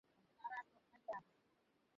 চার বছর পূর্বের স্মৃতিতে তিনি পুনরায় ফিরে যান।